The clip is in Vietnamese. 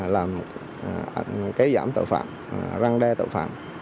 làm kế giảm tội phạm răng đe tội phạm